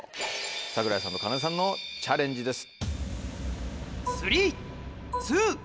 櫻井さんとかなでさんのチャレンジです。